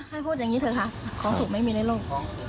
พูดอย่างนี้เถอะค่ะของสุขไม่มีในโลก